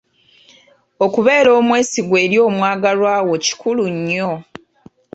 Okubeera omwesigwa eri omwagalwa wo kikulu nnyo.